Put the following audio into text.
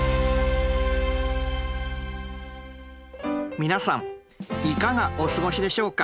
皆さんいかがお過ごしでしょうか。